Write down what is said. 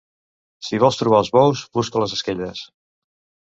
Si vols trobar els bous, busca les esquelles.